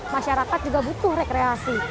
masyarakat juga butuh rekreasi